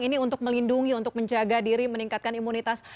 ini untuk melindungi untuk menjaga diri meningkatkan imunitas